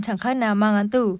chẳng khác nào mang án tử